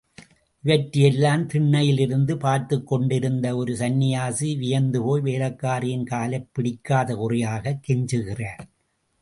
இவற்றையெல்லாம் திண்ணையிலிருந்து பார்த்துக்கொண்டிருந்த ஒரு சந்நியாசி, வியந்துபோய் வேலைக்காரியின் காலைப் பிடிக்காத குறையாகக் கெஞ்சுகிறார்.